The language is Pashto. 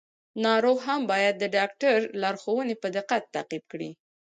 ناروغ هم باید د ډاکټر لارښوونې په دقت تعقیب کړي.